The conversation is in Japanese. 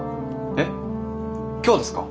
えっ今日ですか？